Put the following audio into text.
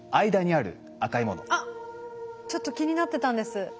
あっちょっと気になってたんです。